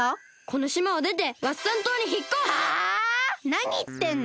なにいってんの！？